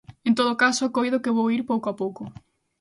En todo caso coido que vou ir pouco a pouco.